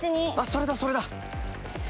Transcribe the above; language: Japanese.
それだそれだ。